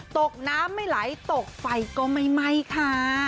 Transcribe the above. ตกน้ำไม่ไหลตกไฟก็ไม่ไหม้ค่ะ